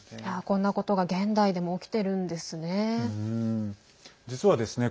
こんなことが現代でも起きているんですね。